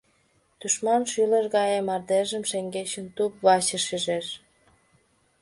Тушман шӱлыш гае мардежым шеҥгечын туп-ваче шижеш.